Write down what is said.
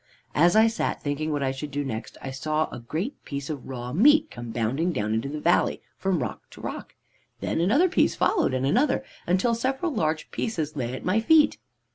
"As I sat thinking what I should do next, I saw a great piece of raw meat come bounding down into the valley, from rock to rock. Then another piece followed, and another, until several large pieces lay at my feet.